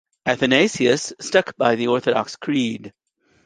Athanasius stuck by the orthodox creed.